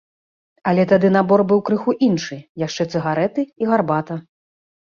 Але тады набор быў крыху іншы, яшчэ цыгарэты і гарбата.